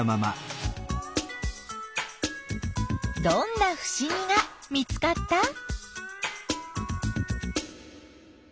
どんなふしぎが見つかった？